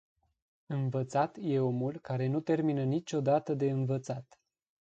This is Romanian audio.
Învățat e omul care nu termină niciodată de învățat.